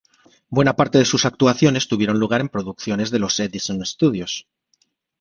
Buena parte de sus actuaciones tuvieron lugar en producciones de los Edison Studios.